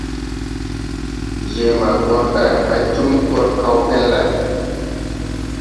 Je maa gɔr day hay tum gɔr kaw ɓɛn lay.